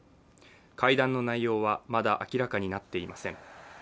会談の内容はまだ明らかになっていません。